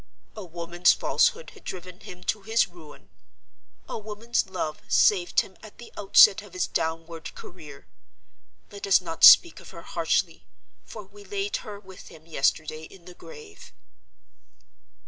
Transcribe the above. "A woman's falsehood had driven him to his ruin. A woman's love saved him at the outset of his downward career. Let us not speak of her harshly—for we laid her with him yesterday in the grave.